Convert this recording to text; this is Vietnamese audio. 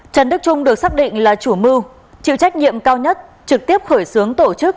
trần đức trung được xác định là chủ mưu chịu trách nhiệm cao nhất trực tiếp khởi xướng tổ chức